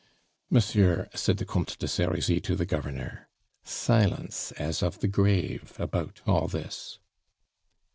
"Monsieur," said the Comte de Serizy to the Governor, "silence as of the grave about all this."